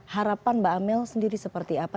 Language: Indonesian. harapan mbak amel sendiri seperti apa